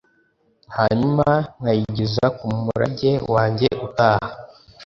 hanyuma nkayigeza kumurage wanjye utaha